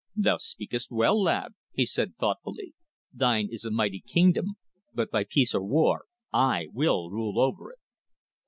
"Thou speakest well, lad," he said thoughtfully. "Thine is a mighty kingdom, but by peace or war I will rule over it."